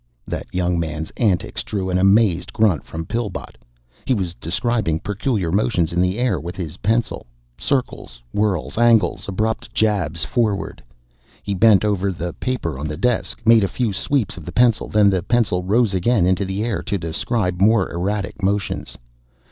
That young man's antics drew an amazed grunt from Pillbot. He was describing peculiar motions in the air with his pencil. Circles, whorls, angles, abrupt jabs forward. He bent over the paper on the desk, made a few sweeps of the pencil, then the pencil rose again into the air to describe more erratic motions.